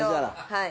はい。